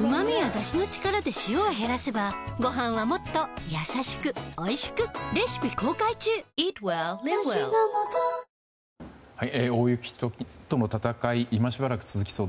うま味やだしの力で塩を減らせばごはんはもっとやさしくおいしく大雪との闘い今しばらく続きそうです。